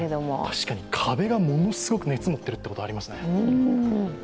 確かに壁がものすごく熱もってるってことありますね。